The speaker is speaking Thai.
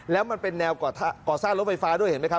แล้วมันเป็นแนวก่อสร้างรถไฟฟ้าด้วยเห็นไหมครับ